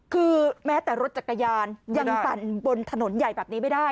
คือแม้แต่รถจักรยานยังสั่นบนถนนใหญ่แบบนี้ไม่ได้